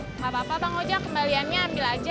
gak apa apa bang ojak kembaliannya ambil aja